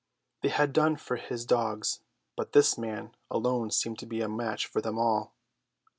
They had done for his dogs, but this man alone seemed to be a match for them all.